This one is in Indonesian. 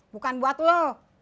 bukan buat lu